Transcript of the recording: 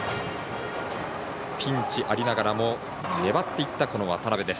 ピンチありながらも粘っていった渡邊です。